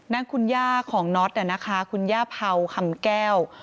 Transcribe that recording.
นางคุณย่าของนอทเนี่ยนะคะคุณย่าเภาขำแก้ว